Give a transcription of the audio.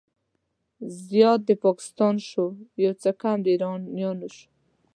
زيات د پاکستان شو، يو څه کم د ايرانيانو شو